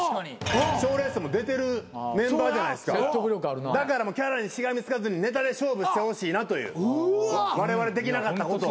賞レースも出てるメンバーじゃないですかだからキャラにしがみつかずにネタで勝負してほしいなというわれわれできなかったことを。